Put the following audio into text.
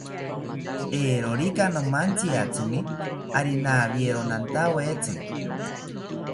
Eeerorika nomantziatzimi, ari nawiero nantawetzi